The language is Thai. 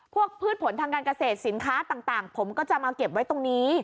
พืชผลทางการเกษตรสินค้าต่างผมก็จะมาเก็บไว้ตรงนี้